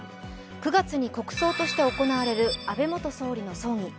９月に国葬として行われる安倍元総理の葬儀。